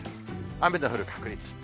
雨の降る確率。